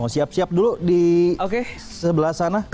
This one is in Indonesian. mau siap siap dulu di sebelah sana